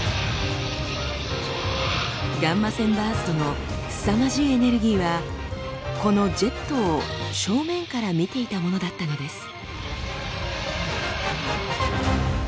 ガンマ線バーストのすさまじいエネルギーはこのジェットを正面から見ていたものだったのです。